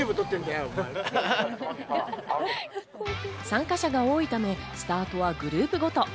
参加者が多いため、スタートはグループごと。